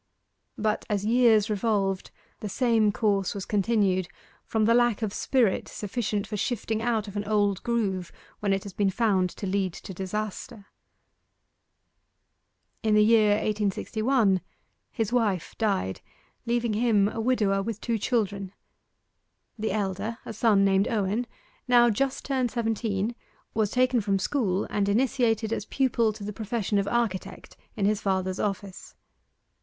But as years revolved, the same course was continued from the lack of spirit sufficient for shifting out of an old groove when it has been found to lead to disaster. In the year 1861 his wife died, leaving him a widower with two children. The elder, a son named Owen, now just turned seventeen, was taken from school, and initiated as pupil to the profession of architect in his father's office.